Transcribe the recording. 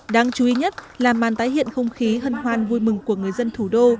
đáng chú ý nhất là màn tái hiện không khí hân hoan vui mừng của người dân thủ đô